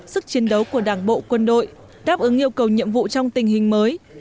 sức chiến đấu của đảng bộ quân đội đáp ứng yêu cầu nhiệm vụ trong tình hình mới